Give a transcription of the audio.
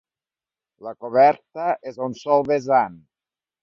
La coberta és a un sol vessant.